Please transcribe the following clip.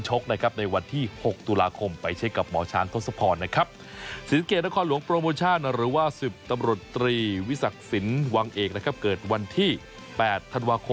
ชกนะครับในวันที่หกตุลาคมไปเช็คกับหมอชาณต้น